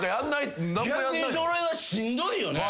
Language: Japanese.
逆にそれはしんどいよね。